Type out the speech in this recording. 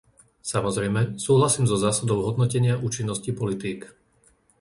Samozrejme, súhlasím so zásadou hodnotenia účinnosti politík.